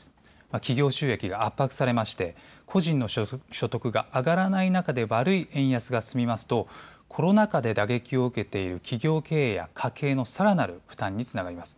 企業収益が圧迫されまして個人の所得が上がらない中で悪い円安が進みますとコロナ禍で打撃を受けている企業経営や家計のさらなる負担につながります。